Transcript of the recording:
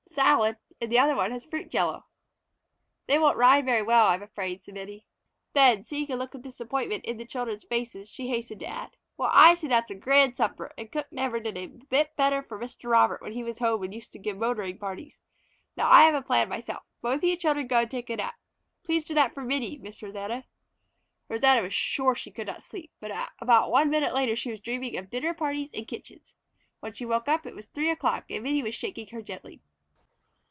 "Salad, and the other one has fruit jello." "They won't ride very well, I am fraid," said Minnie. Then seeing a look of disappointment in the children's faces she hastened to add, "Well, I say that is a grand supper, and cook never did a bit better for Mr. Robert when he was home and used to give motoring parties. Now I have a plan myself. Both you children go and take a nap. Please do that for Minnie, Miss Rosanna." Rosanna was sure she could not sleep, but about one minute later she was dreaming of dinner parties and kitchens. When she woke up it was three o'clock and Minnie was shaking her gently.